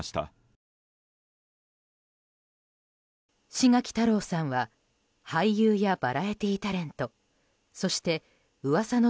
志垣太郎さんは俳優やバラエティータレントそして「噂の！